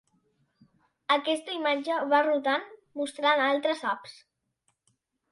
Aquesta imatge va rotant mostrant altres apps.